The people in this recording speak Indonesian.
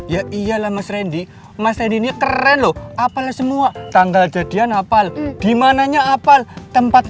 ya iyalah mas randy mas rendy ini keren loh apalah semua tanggal jadian hafal dimananya apa tempat